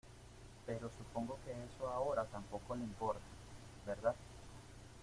pero supongo que eso ahora tampoco le importa, ¿ verdad?